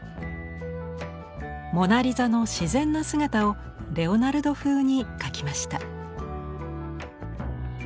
モナ・リザの自然な姿をレオナルド風に描きました。